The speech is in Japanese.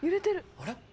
あれ？